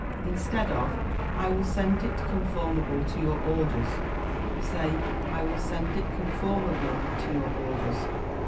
Instead of "I will send it conformable to your orders," say "I will send it conformably to your orders."